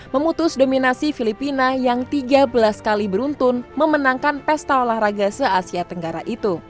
memutus dominasi filipina yang tiga belas kali beruntun memenangkan pesta olahraga se asia tenggara itu